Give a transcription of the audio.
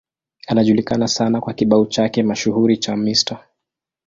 Anajulikana sana kwa kibao chake mashuhuri cha Mr.